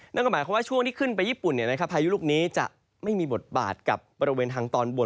นั่นก็หมายความว่าช่วงที่ขึ้นไปญี่ปุ่นพายุลูกนี้จะไม่มีบทบาทกับบริเวณทางตอนบน